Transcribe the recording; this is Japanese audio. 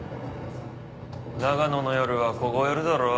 長野の夜は凍えるだろ？